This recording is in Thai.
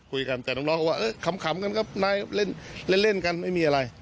คุยกันแต่น้องเขาว่าเออขำกันครับนายเล่นเล่นกันไม่มีอะไร